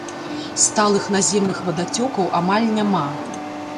Сталых наземных вадацёкаў амаль няма.